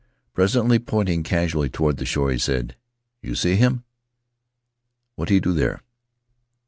Presently, pointing casually toward the shore, he said: "You see him? What he do there?'